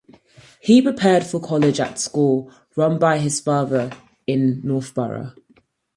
He prepared for college at a school run by his father in Northborough.